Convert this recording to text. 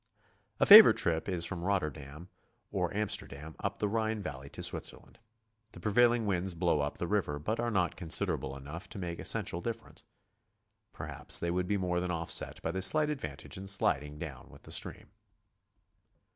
A favorite trip is from Rotterdam or Amsterdam up the Rhine Valley to Switzerland. The prevailing winds blow up the river, but are mot considerable enough to make essential difference. Perhaps they would be more than offset by the slight advantage in sliding down with the stream.